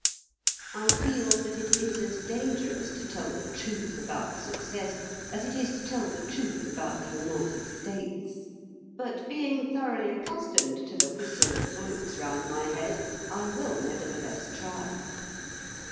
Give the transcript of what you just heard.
I feel that it is as dangerous to tell the truth about success as it is to tell the truth about the United States; but being thoroughly accustomed to the whistle of bullets round my head, I will nevertheless try.